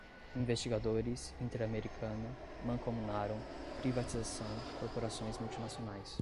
investigadores, interamericana, mancomunaram, privatização, corporações multinacionais